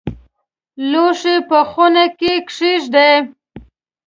لوښي په خونه کې کښېږدئ